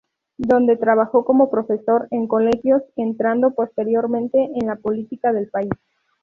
Donde trabajó como profesor en colegios, entrando posteriormente en la política del país.